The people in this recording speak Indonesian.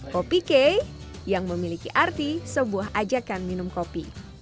kopikey yang memiliki arti sebuah ajakan minum kopi